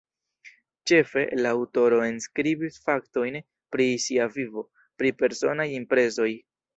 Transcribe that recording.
Ĉefe, la aŭtoro enskribis faktojn pri sia vivo, pri personaj impresoj.